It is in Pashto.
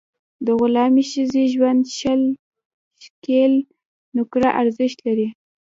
د غلامي ښځې ژوند شل شِکِل نقره ارزښت لري.